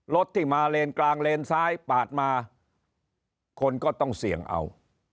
รถที่มาเลนกลางเลนซ้ายปาดมาคนก็ต้องเสี่ยงเอา